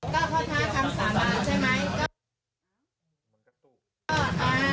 เขากดลอสเตอรี่